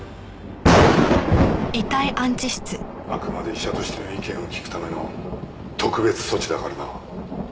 あくまで医者としての意見を聞くための特別措置だからな。